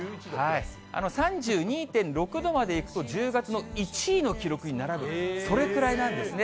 ３２．６度までいくと１０月の１位の記録に並ぶ、それくらいなんですね。